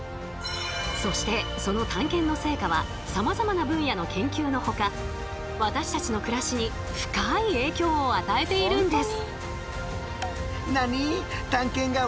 そしてその探検の成果はさまざまな分野の研究のほか私たちの暮らしに深い影響を与えているんです。